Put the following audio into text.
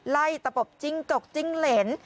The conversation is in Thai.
ไล่ตระปบจิ้งจกจิ้งเหลน